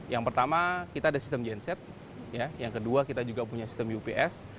yang pertama kita ada sistem genset yang kedua kita juga punya sistem ups